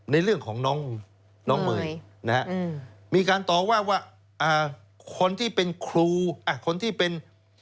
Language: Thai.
ในเรื่องของน้องเมย์นะฮะมีการต่อว่าว่าคนที่เป็นครูคนที่เป็น